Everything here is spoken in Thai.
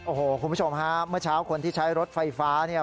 โอ้โหคุณผู้ชมฮะเมื่อเช้าคนที่ใช้รถไฟฟ้าเนี่ย